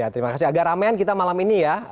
ya terima kasih agak ramean kita malam ini ya